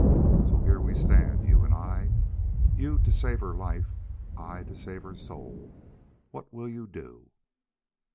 So here we stand, you and I. You to save her life I to save her soul! What will you do?"